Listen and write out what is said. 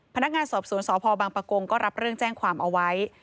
พนักงานสอบสวนสพบังปะกงก็รับเรื่องแจ้งความเอาไว้